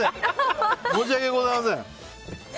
申し訳ございません。